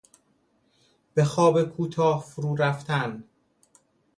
به خواب کوتاه فرو رفتن